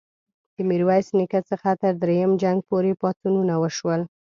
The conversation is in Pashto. د میرویس نیکه څخه تر دریم جنګ پوري پاڅونونه وشول.